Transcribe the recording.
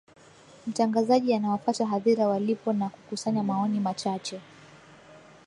mtangazaji anawafata hadhira walipo na kuksanya maoni machache